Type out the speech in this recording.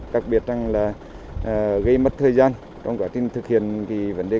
đặc biệt là gây mất thời gian